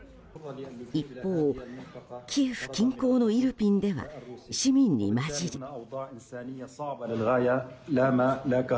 一方、キエフ近郊のイルピンでは市民に交じり。